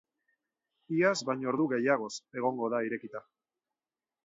Iaz baino ordu gehiagoz egongo da irekita.